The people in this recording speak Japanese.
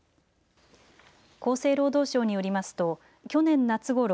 厚生労働省によりますと去年、夏ごろ